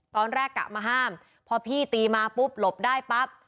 ตอนแรกกลับมาห้ามพอพี่ตีมาปุ๊บหลบได้ปั๊บ